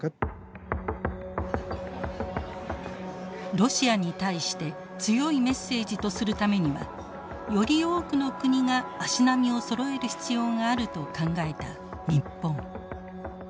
ロシアに対して強いメッセージとするためにはより多くの国が足並みをそろえる必要があると考えた日本。